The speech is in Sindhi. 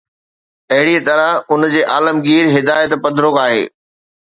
اهڙيء طرح، ان جي عالمگير هدايت پڌرو آهي.